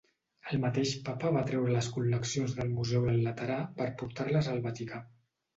El mateix papa va treure les col·leccions del Museu del Laterà per portar-les al Vaticà.